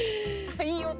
いい音！